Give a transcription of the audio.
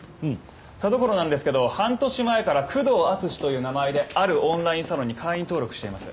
田所なんですけど半年前から久遠淳史という名前であるオンラインサロンに会員登録しています。